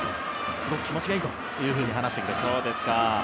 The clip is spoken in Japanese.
すごく気持ちがいいと話してくれました。